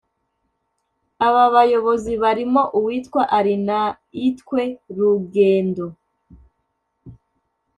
Aba bayobozi barimo uwitwa Arinaitwe Rugyendo